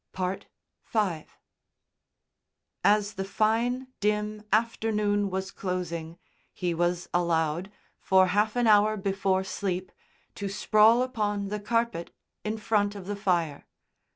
V As the fine, dim afternoon was closing, he was allowed, for half an hour before sleep, to sprawl upon the carpet in front of the fire.